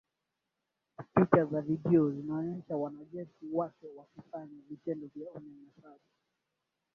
picha za video zinaonyesha wanajeshi wake wakifanya vitendo vya unyanyasaji